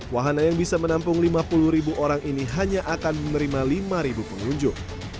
wahana yang bisa menampung lima puluh ribu orang ini hanya akan menerima lima pengunjung